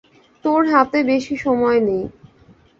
তোর হাতে বেশি সময় নেই।